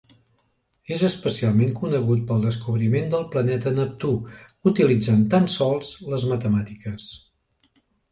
És especialment conegut pel descobriment del planeta Neptú utilitzant tan sols les matemàtiques.